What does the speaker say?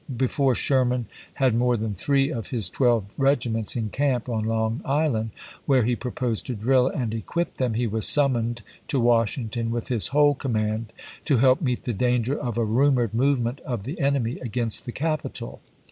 Before Sherman had more than three of his twelve regiments in camp on Long Island, where he pro posed to drill and equip them, he was summoned to Washington with his whole command to help meet the danger of a rumored movement of the enemy against the capital.